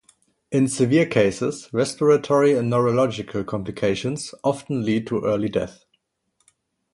In severe cases, respiratory and neurological complications often lead to early death.